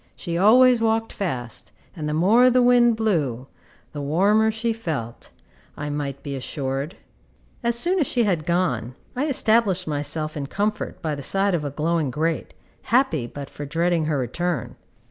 She always walked fast, and the more the wind blew, the warmer she felt, I might be assured. As soon as she had gone, I established myself in comfort by the side of a glowing grate, happy but for dreading her return.